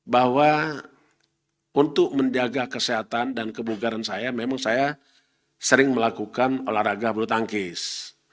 bahwa untuk menjaga kesehatan dan kebukaran saya memang saya sering melakukan olahraga belutangkis